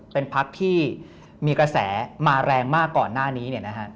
เป็นพักที่มีกระแสมาแรงมากก่อนหน้านี้